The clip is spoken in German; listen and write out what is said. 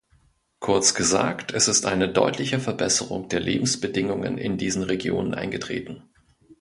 Kurz gesagt, es ist eine deutliche Verbesserung der Lebensbedingungen in diesen Regionen eingetreten.